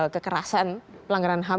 kekerasan pelanggaran ham